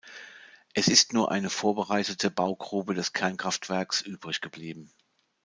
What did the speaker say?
Es ist nur eine vorbereitete Baugrube des Kernkraftwerks übrig geblieben.